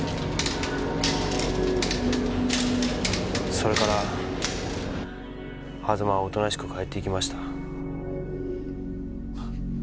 それから狭間はおとなしく帰っていきました。